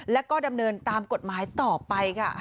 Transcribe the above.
แล้วก็ดำเนินตามกฎหมายต่อไปค่ะ